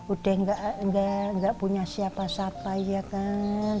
udah nggak punya siapa siapa ya kan